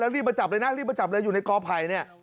เรารีบมาจับเลยนะรีบมาจับเลยอยู่ในก้อภัย